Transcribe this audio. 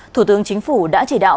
thủ tướng chính phủ đã chỉ đạo